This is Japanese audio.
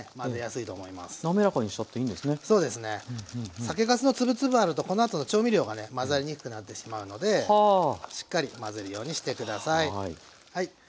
酒かすのつぶつぶあるとこのあとの調味料がね混ざりにくくなってしまうのでしっかり混ぜるようにして下さい。